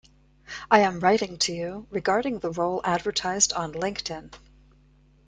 I am writing to you regarding the role advertised on LinkedIn.